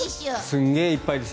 すんげえいっぱいです。